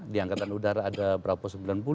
di angkatan udara ada berapa sembilan puluh